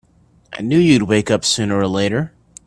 I knew you'd wake up sooner or later!